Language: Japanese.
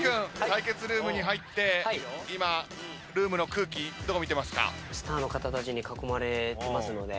対決ルームに入って今ルームの空気どう見てますか？